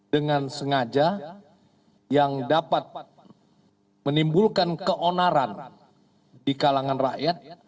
dengan sengaja yang dapat menimbulkan keonaran di kalangan rakyat